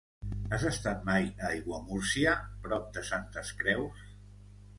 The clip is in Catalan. Has estat mai a Aiguamúrcia, prop de Santes Creus?